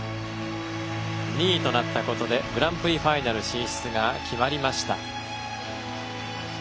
２位となったことでグランプリファイナル進出が決まりました。